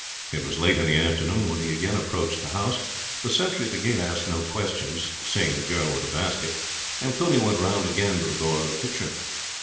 It was late in the afternoon when he again approached the house. The sentry at the gate asked no question, seeing a girl with a basket, and Cluny went round again to the door of the kitchen.